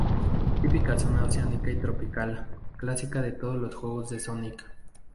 Típica zona oceánica y tropical clásica de todos los juegos de Sonic.